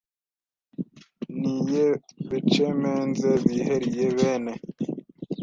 n’iy’ebecemenze biheriye bene